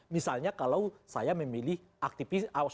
misalnya kalau saya memilih aktivis